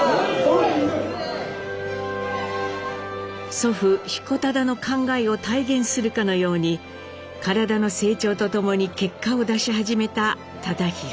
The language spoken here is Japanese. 祖父彦忠の考えを体現するかのように体の成長とともに結果を出し始めた忠宏。